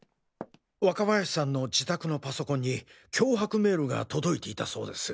若林さんの自宅のパソコンに脅迫メールが届いていたそうです。